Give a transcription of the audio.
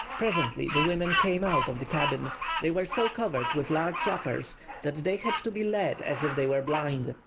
Presently the women came out of the cabin; they were so covered with large wrappers that they had to be led as if they were blind.